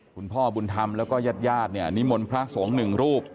คุณพ่อบุญธรรมแล้วก็ยัดนิมนต์พระสงฆ์๑รูป